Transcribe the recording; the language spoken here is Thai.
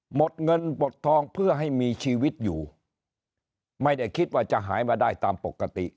หมดเงินหมดทองเพื่อให้มีชีวิตอยู่ไม่ได้คิดว่าจะหายมาได้ตามปกติ